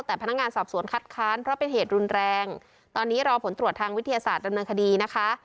แต่พนักงานสอบสวนคัดค้านเพราะเป็นเหตุรุนแรงตอนนี้รอผลตรวจทางวิทยาศาสตร์ดำเนินคดีนะคะ